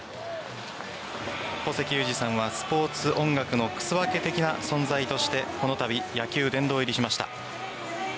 古関裕而さんはスポーツ音楽の草分け的な存在としてこのたび、野球殿堂入りしました。